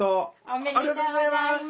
ありがとうございます。